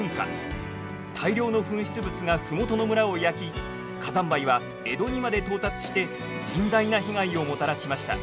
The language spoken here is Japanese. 大量の噴出物が麓の村を焼き火山灰は江戸にまで到達して甚大な被害をもたらしました。